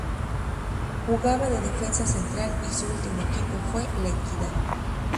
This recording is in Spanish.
Jugaba de defensa central y su ultimo equipo fue La Equidad.